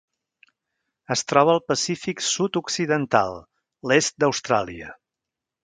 Es troba al Pacífic sud-occidental: l'est d'Austràlia.